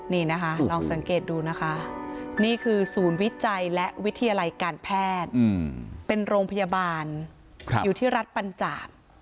นี่นะคะลองสังเกตดูนะคะนี่คือศูนย์วิจัยและวิทยาลัยการแพทย์เป็นโรงพยาบาลอยู่ที่รัฐปัญจาก